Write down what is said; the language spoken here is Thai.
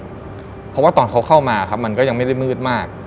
เพราะว่าตอนเขาเข้ามาครับมันก็ยังไม่ได้มืดมาก